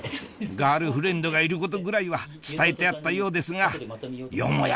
ガールフレンドがいることぐらいは伝えてあったようですがよもや